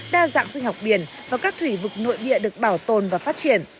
đa dạng sinh học biển và các thủy vực nội địa được bảo tồn và phát triển